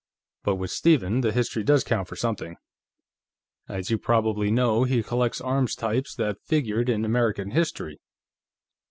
But with Stephen, the history does count for something. As you probably know, he collects arms types that figured in American history.